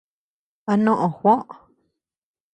¿A noʼö Juó?